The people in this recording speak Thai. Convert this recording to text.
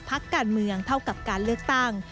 พักการเมืองเท่ากับการเลือกตั้ง